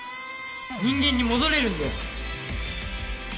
人間に戻れるんだよ！